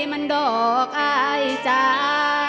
มันดอกอายจ้า